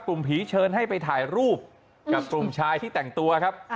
ผีเชิญให้ไปถ่ายรูปกับกลุ่มชายที่แต่งตัวครับ